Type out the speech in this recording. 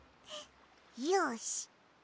よし。